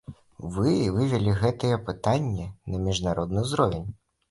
Вы вывелі гэтыя пытанні на міжнародны ўзровень.